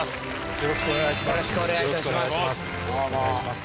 よろしくお願いします。